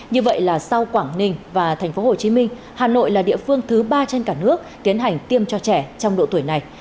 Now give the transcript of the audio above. như vậy là sau quảng ninh và thành phố hồ chí minh hà nội là địa phương thứ ba trên cả nước tiến hành tiêm cho trẻ trong độ tuổi này